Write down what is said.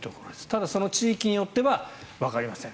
ただ、その地域によってはわかりません